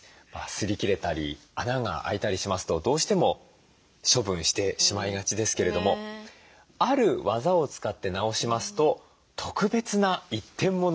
すり切れたり穴が開いたりしますとどうしても処分してしまいがちですけれどもある技を使って直しますと特別な一点物に変わるんだそうです。